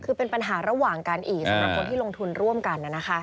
คือเป็นปัญหาระหว่างกันอีกสำหรับคนที่ลงทุนร่วมกัน